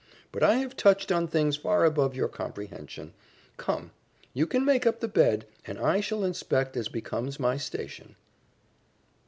But I have touched on things far above your comprehension. Come, you can make up the bed, and I shall inspect as becomes my station."